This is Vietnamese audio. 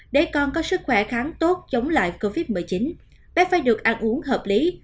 để con có sức khỏe kháng tốt chống lại covid một mươi chín bé phải được ăn uống hợp lý